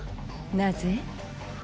なぜ？